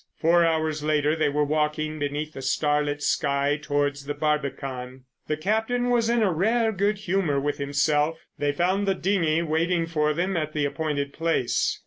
Four hours later they were walking beneath the starlit sky towards the Barbican. The captain was in a rare good humour with himself. They found the dinghy waiting for them at the appointed place.